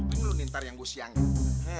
lu nintar yang gua siangin